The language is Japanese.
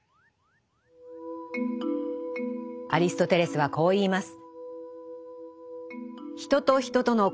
アリストテレスはこう言います。